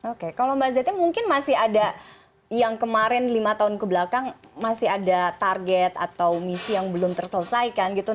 oke kalau mbak zeti mungkin masih ada yang kemarin lima tahun kebelakang masih ada target atau misi yang belum terselesaikan gitu